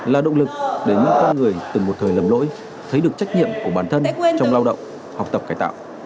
là động lực để con người từng một thời lầm lỗi thấy được trách nhiệm của bản thân trong lao động học tập cải tạo